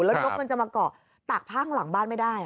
แล้วนกมันจะมาเกาะตากผ้าข้างหลังบ้านไม่ได้